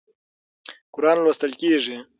قرآن لوستل کېږي.